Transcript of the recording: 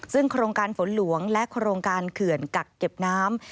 ซึ่งโครงการฝนหลวงและโครงการเขื่อนกักเก็บน้ำ